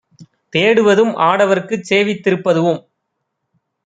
தேடுவதும், ஆடவர்க்குச் சேவித் திருப்பதுவும்